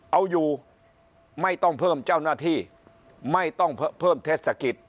เอาอยู่ไม่ต้องเพิ่มเจ้าหน้าที่ไม่ต้องเพิ่มเทศกิจ